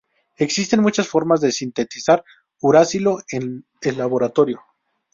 Existen muchas formas de sintetizar uracilo en el laboratorio.